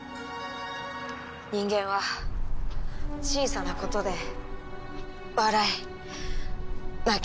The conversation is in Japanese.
人間は小さなことで笑い泣き